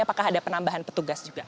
apakah ada penambahan petugas juga